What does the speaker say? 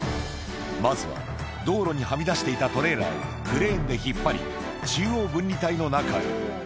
まずは道路にはみ出していたトレーラーをクレーンで引っ張り、中央分離帯の中へ。